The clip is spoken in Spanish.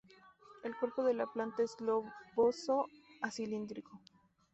El cuerpo de la planta es globoso a cilíndrico.